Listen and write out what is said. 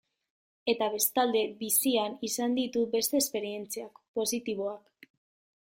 Eta, bestalde, bizian izan ditut beste esperientziak, positiboak.